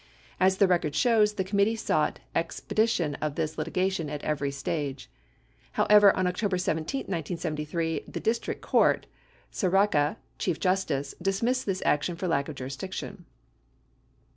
(As the record shows, the committee sought expedi tion of this litigation at every stage.) However, on October 17, 1973. the district court (Sirica, Ch. J.j dismissed this action for lack of jurisdiction.